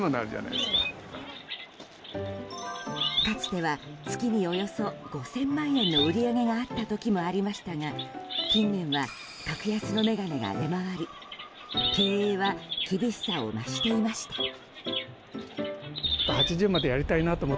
かつては月におよそ５０００万円の売り上げがあった時もありましたが近年は格安の眼鏡が出回り経営は厳しさを増していました。